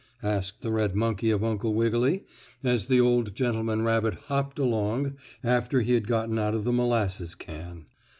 asked the red monkey of Uncle Wiggily, as the old gentleman rabbit hopped along after he had gotten out of the molasses can.